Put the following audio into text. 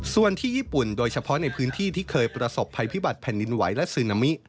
ส่วนที่ญี่ปุ่นโดยเฉพาะในพื้นที่ที่เคยประสบภัยพิบัติแผ่นดินไหวและซึนามิ